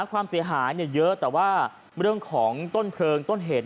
ความเสียหายเยอะแต่ว่าเรื่องของต้นเพลิงต้นเหตุ